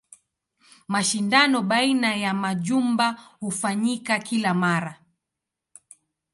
Mashindano baina ya majumba hufanyika kila mara.